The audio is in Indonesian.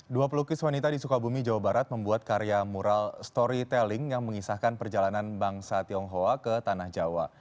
dua pelukis wanita di sukabumi jawa barat membuat karya mural storytelling yang mengisahkan perjalanan bangsa tionghoa ke tanah jawa